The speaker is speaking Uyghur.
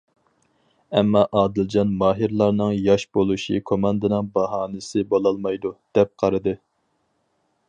ئەمما ئادىلجان ماھىرلارنىڭ ياش بولۇشى كوماندىنىڭ باھانىسى بولالمايدۇ، دەپ قارىدى.